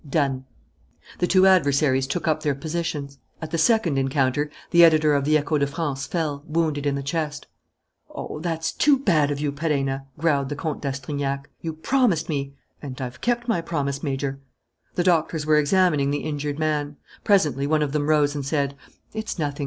"Done." The two adversaries took up their positions. At the second encounter, the editor of the Echo de France fell, wounded in the chest. "Oh, that's too bad of you, Perenna!" growled the Comte d'Astrignac. "You promised me " "And I've kept my promise, Major." The doctors were examining the injured man. Presently one of them rose and said: "It's nothing.